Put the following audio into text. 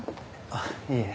あっいえ。